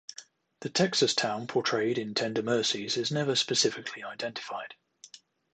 The Texas town portrayed in "Tender Mercies" is never specifically identified.